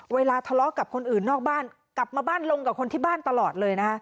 เวลาทะเลาะกับคนอื่นนอกบ้านกลับมาบ้านลงกับคนที่บ้านตลอดเลยนะคะ